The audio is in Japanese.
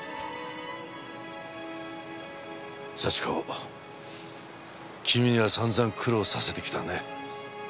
幸子君には散々苦労させてきたね。